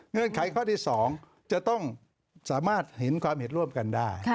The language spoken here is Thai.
ไขข้อที่๒จะต้องสามารถเห็นความเห็นร่วมกันได้